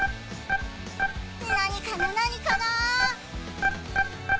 何かな何かな？